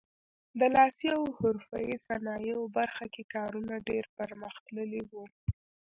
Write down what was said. د لاسي او حرفوي صنایعو برخه کې کارونه ډېر پرمختللي وو.